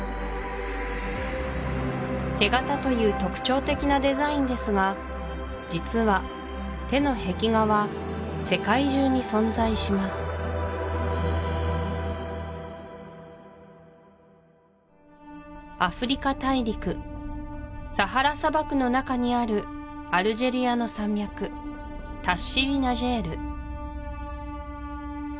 手形という特徴的なデザインですが実は手の壁画は世界中に存在しますアフリカ大陸サハラ砂漠の中にあるアルジェリアの山脈タッシリ・ナジェール